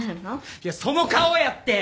いやその顔やって！